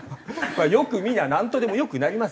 よく見りゃなんとでも良くなります。